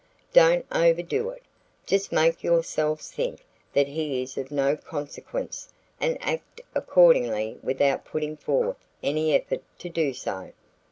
Don't overdo it. Just make yourselves think that he is of no consequence and act accordingly without putting forth any effort to do so.